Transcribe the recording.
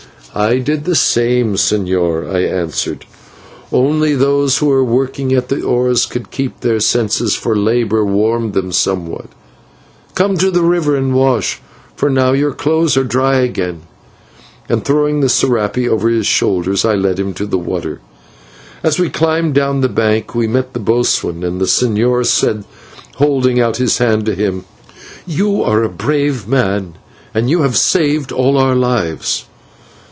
"I did the same, señor," I answered; "only those who were working at the oars could keep their senses, for labour warmed them somewhat. Come to the river and wash, for now your clothes are dry again," and throwing the /serape/ over his shoulders, I led him to the water. As we climbed down the bank we met the boatswain, and the señor said, holding out his hand to him: "You are a brave man and you have saved all our lives."